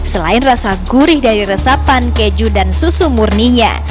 selain rasa gurih dari resapan keju dan susu murninya